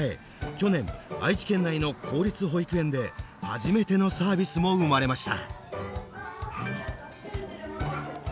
去年愛知県内の公立保育園で初めてのサービスも生まれました。